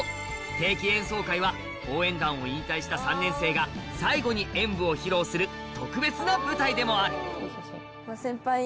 定期演奏会は応援団を引退した３年生が最後に演舞を披露する特別な舞台でもある